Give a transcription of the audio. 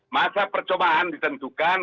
masa percobaan ditentukan